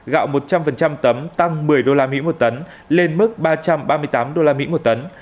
gạo một trăm linh tấm tăng một mươi usd một tấn lên mức ba trăm ba mươi tám usd một tấn